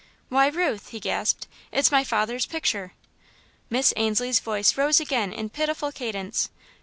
"Why, Ruth!" he gasped. "It's my father's picture!" Miss Ainslie's voice rose again in pitiful cadence.